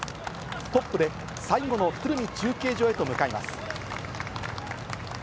トップで最後の鶴見中継所へと向かいます。